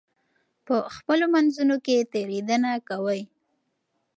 په خپلو منځونو کې تېرېدنه کوئ.